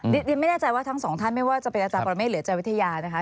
เรียนไม่แน่ใจว่าทั้งสองท่านไม่ว่าจะเป็นอาจารย์ปรเมฆหรือใจวิทยานะคะ